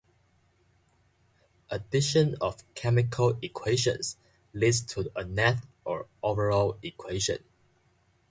Addition of chemical equations leads to a net or overall equation.